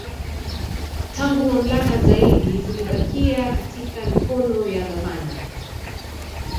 Tangu mamlaka zaidi zilibakia katika mikono ya Gavana